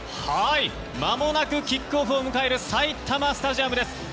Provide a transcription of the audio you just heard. まもなくキックオフを迎える埼玉スタジアムです。